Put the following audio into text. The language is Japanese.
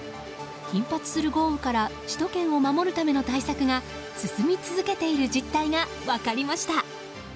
頻発する豪雨から首都圏を守るための対策が進み続けている実態が分かりました。